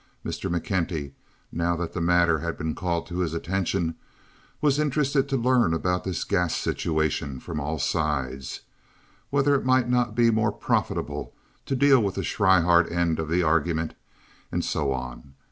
Mr. McKenty, now that the matter had been called to his attention, was interested to learn about this gas situation from all sides—whether it might not be more profitable to deal with the Schryhart end of the argument, and so on.